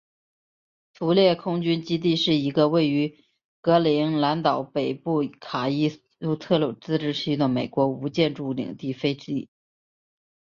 图勒空军基地是一个为于格陵兰岛北部卡苏伊特萨普自治市的美国无建制领地飞地。